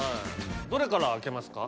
どれから開けますか？